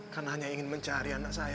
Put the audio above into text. karena hanya ingin mencari anak saya alam